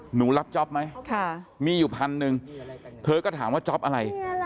หนูรับจ๊อปไหมมีอยู่พันหนึ่งเธอก็ถามว่าจ๊อปอะไร